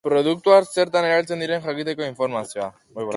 Produktuak zertan erabiltzen diren jakiteko informazioa.